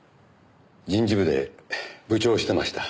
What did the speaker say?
人事部で部長をしてました。